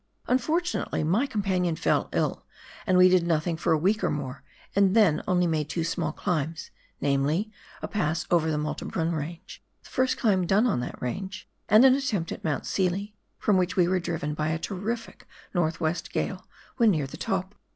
Unfortunately, my companion fell ill, and we did nothing for a week or more, and then only made two small cKmbs, namely, a pass over the Malte Brun Range — the first climb done on that range — and an attempt at Mount Sealy, from which we were driven by a terrific north west gale when near the top.